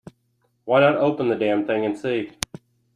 Why not open the damn thing and see?